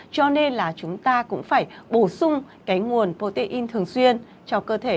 cho nên là chúng ta cũng phải bổ sung cái nguồn protein thường xuyên cho cơ thể